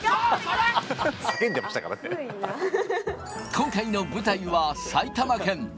今回の舞台は埼玉県。